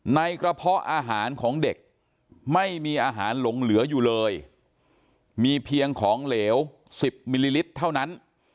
ในกระเพาะอาหารของเด็กไม่มีอาหารหลงเหลืออยู่เลยมีเพียงของเหลว๑๐มิลลิลิตรเท่านั้น